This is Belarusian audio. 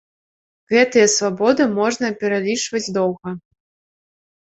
Гэтыя свабоды можна пералічваць доўга.